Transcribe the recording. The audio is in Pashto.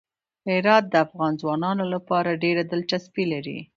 هرات د افغان ځوانانو لپاره ډېره دلچسپي لري.